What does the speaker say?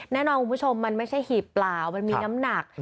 แน่นอนคุณผู้ชมมันไม่ใช่หีบเปล่ามันมีน้ำหนัก